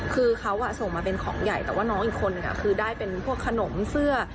คือเขาส่งมาเป็นของใหญ่แต่ว่าน้องอีกคนนึงคือได้เป็นพวกขนมเสื้อ